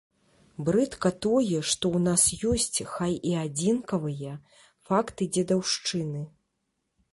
Брыдка тое, што ў нас ёсць, хай і адзінкавыя, факты дзедаўшчыны.